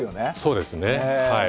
そうですねはい。